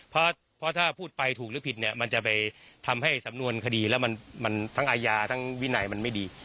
เพราะถ้าพูดไปถูกหรือผิดเนี่ยมันจะไปทำให้สำนวนคดีแล้วมันทั้งอาญาทั้งวินัยมันไม่ดี